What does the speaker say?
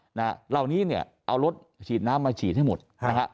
เหล่านี้เนี่ยเอารถฉีดน้ำมาฉีดให้หมดนะฮะ